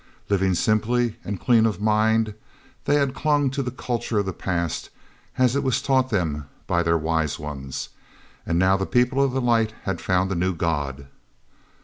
Living simply, and clean of mind, they had clung to the culture of the past as it was taught them by their Wise Ones. And now the People of the Light had found a new god.